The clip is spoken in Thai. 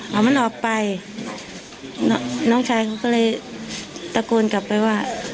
เอามันออกไปน้องชายเขาก็เลยตะโกนกลับไปว่า